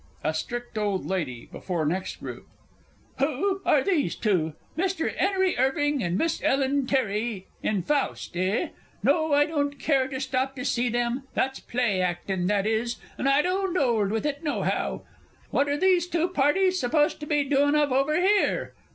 A STRICT OLD LADY (before next group). Who are these two? "Mr. 'Enery Irving, and Miss Ellen Terry in Faust, eh? No I don't care to stop to see them that's play actin', that is and I don't 'old with it nohow! What are these two parties supposed to be doin' of over here?